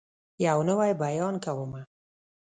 يو نوی بيان کومه